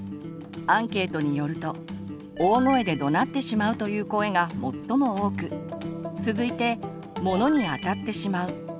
アンケートによると大声でどなってしまうという声が最も多く続いて物にあたってしまう。